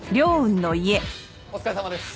お疲れさまです。